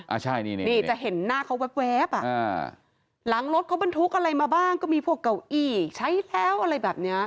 อ่าใช่นี่นี่จะเห็นหน้าเขาแวบอ่ะอ่าหลังรถเขาบรรทุกอะไรมาบ้างก็มีพวกเก้าอี้ใช้แล้วอะไรแบบเนี้ย